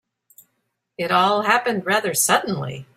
It all happened rather suddenly.